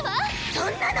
そんなの！